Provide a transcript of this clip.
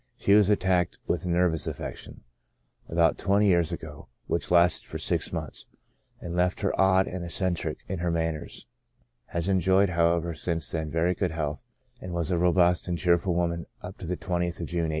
She was attacked with a nervous affection, about twenty years ago, which lasted for six months, and left her odd and ec centric in her manners ; has enjoyed, however, since then very good health, and was a robust and cheerful woman up to the 20th of June, 1858.